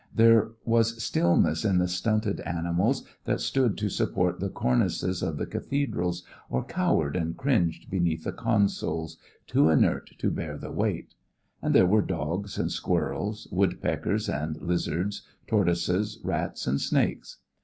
There was stillness in the stunted animals that stood to support the cornices of the cathedrals or cowered and cringed beneath the consoles, too inert to bear the weight; and there were dogs and squirrels, wood peckers and lizards, tortoises, rats and snakes.